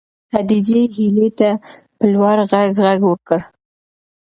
خدیجې هیلې ته په لوړ غږ غږ وکړ.